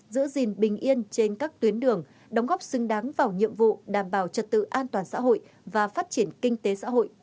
giữ gìn bình yên trên các tuyến đường đóng góp xứng đáng vào nhiệm vụ đảm bảo trật tự an toàn xã hội và phát triển kinh tế xã hội